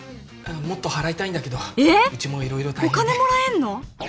もっと払いたいんだけどえっうちも色々大変でお金もらえんの？